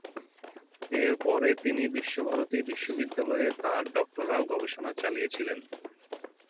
এরপরে তিনি বিশ্বভারতী বিশ্ববিদ্যালয়ে তাঁর ডক্টরাল গবেষণা চালিয়েছিলেন।